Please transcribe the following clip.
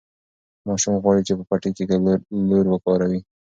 ماشوم غواړي چې په پټي کې لور وکاروي.